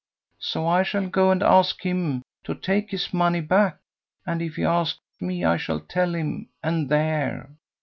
So I shall go and ask him to take his money back, and if he asks me I shall tell him, and there.